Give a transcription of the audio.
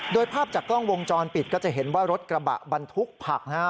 โดยภาพจากกล้องวงจรปิดก็จะเห็นว่ารถกระบะบรรทุกผักนะฮะ